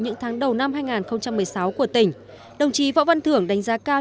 những tháng đầu năm hai nghìn một mươi sáu của tỉnh đồng chí võ văn thưởng đánh giá cao